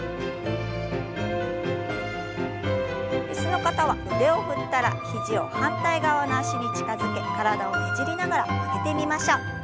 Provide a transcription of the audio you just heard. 椅子の方は腕を振ったら肘を反対側の脚に近づけ体をねじりながら曲げてみましょう。